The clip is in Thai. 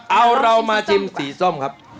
เอาเรามาชิมสีส้มครับ